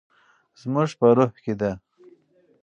زموږ په روح کې ده.